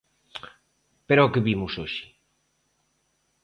Pero ao que vimos hoxe.